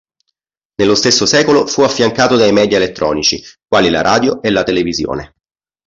Nello stesso secolo fu affiancato dai media elettronici, quali la radio e la televisione.